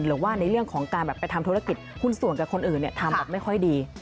หรือว่าในเรื่องของการแบบไปทำธุรกิจหุ้นส่วนกับคนอื่นทำแบบไม่ค่อยดี